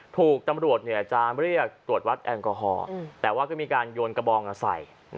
ถูกตำรวจจะเรียกตรวจวัดแอลกอฮอล์แต่ว่าก็มีการโยนกระบองมาใส่